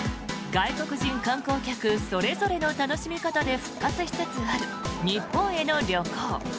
外国人観光客それぞれの楽しみ方で復活しつつある日本への旅行。